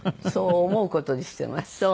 そう思う事にしてます。